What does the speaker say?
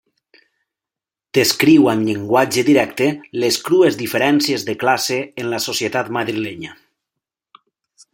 Descriu amb llenguatge directe les crues diferències de classe en la societat madrilenya.